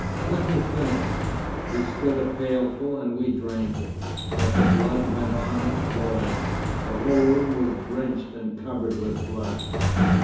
'Let me finish. He stood a pailful, and we drank it, but the blood went on flowing. The whole room was drenched and covered with blood.